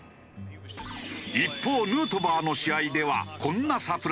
一方ヌートバーの試合ではこんなサプライズが。